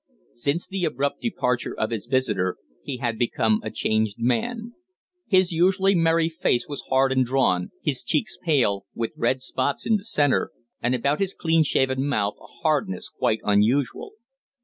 Since the abrupt departure of his visitor he had become a changed man. His usually merry face was hard and drawn, his cheeks pale, with red spots in the centre, and about his clean shaven mouth a hardness quite unusual.